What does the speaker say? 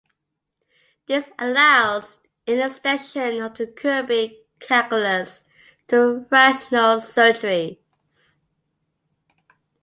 This allows an extension of the Kirby calculus to rational surgeries.